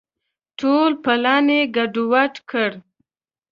ټول پلان یې ګډ وډ کړ.